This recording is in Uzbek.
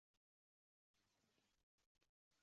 Alimardonov ana shu savollarga tarixiy Sovet ittifoqi va Sh